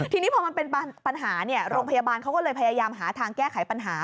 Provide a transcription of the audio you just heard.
ทีนี้พอมันเป็นปัญหาโรงพยาบาลเขาก็เลยพยายามหาทางแก้ไขปัญหา